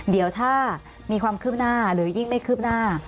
เดี๋ยวถ้ามีความคืบหน้าหรือยิ่งไม่คืบหน้า